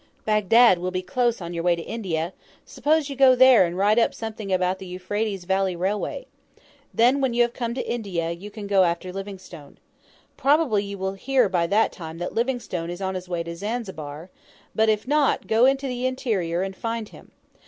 "Bagdad will be close on your way to India; suppose you go there, and write up something about the Euphrates Valley Railway. Then, when you have come to India, you can go after Livingstone. Probably you will hear by that time that Livingstone is on his way to Zanzibar; but if not, go into the interior and find him.